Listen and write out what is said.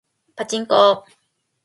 パチンコ